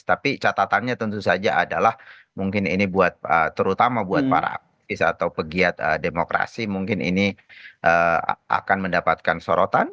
tapi catatannya tentu saja adalah mungkin ini buat terutama buat para aktivis atau pegiat demokrasi mungkin ini akan mendapatkan sorotan